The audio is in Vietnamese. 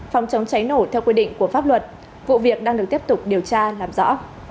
phòng chống cháy nổ theo quy định của pháp luật vụ việc đang được tiếp tục điều tra làm rõ